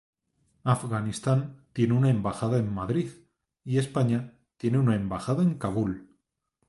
Afganistán tiene una embajada en Madrid y España tiene una embajada en Kabul.